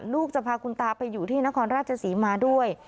ลูกจะพาคุณตาไปอยู่ที่นครราชศรีมาด้วย